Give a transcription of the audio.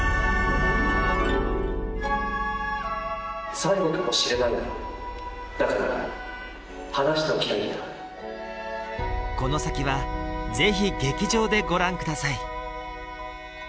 最後かもしれないからだから話しておきたいんだこの先はぜひ劇場でご覧ください